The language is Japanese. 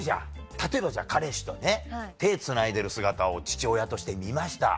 例えば彼氏と手つないでる姿を父親として見ました。